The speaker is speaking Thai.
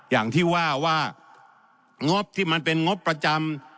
อย่างที่ว่าว่างบที่มันเป็นงบประจำ